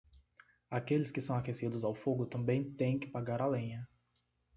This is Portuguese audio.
Aqueles que são aquecidos ao fogo também têm que pagar a lenha.